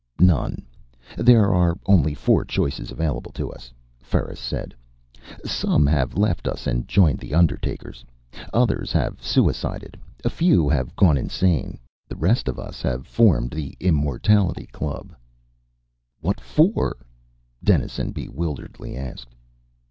"None. There are only four choices available to us," Ferris said. "Some have left us and joined the Undertakers. Others have suicided. A few have gone insane. The rest of us have formed the Immortality Club." "What for?" Dennison bewilderedly asked.